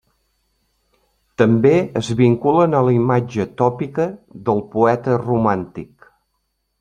També es vinculen a la imatge tòpica del poeta romàntic.